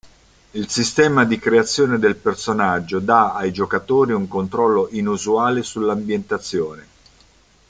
Il sistema di creazione del personaggio dà ai giocatori un controllo inusuale sull'ambientazione.